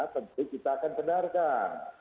tentu kita akan benarkan